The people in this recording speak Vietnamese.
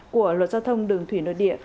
của luật giao thông đường thủy nội địa